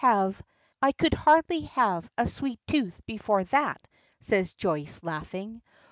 "I could hardly have had a tooth before that," says Joyce, laughing.